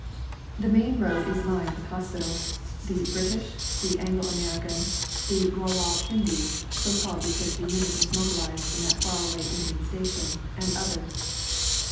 The main road is lined with hospitals the "British," the "Anglo American," the "Rawal Pindi" (so called because the unit was mobilised in that far away Indian station), and others.